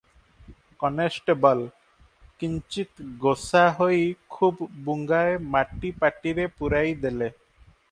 Constable - କିଞ୍ଚିତ୍ ଗୋସା ହୋଇ ଖୁବ୍ ବୁଙ୍ଗାଏ ମାଟି ପାଟିରେ ପୂରାଇ ଦେଲେ ।